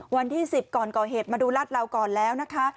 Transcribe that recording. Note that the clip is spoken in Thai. วันที่๑๐ก่อนก่อเหตุมาดูรัดเราก่อนแล้วนะคะ